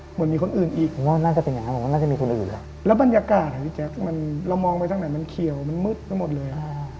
เหมือนมีคนอื่นอีกแล้วบรรยากาศพี่แจ๊คมันมองไปทั้งไหนมันเขียวมันมืดกันหมดเลย